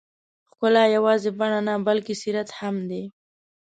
ښکلا یوازې بڼه نه، بلکې سیرت هم دی.